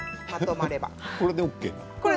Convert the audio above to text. これでＯＫなの？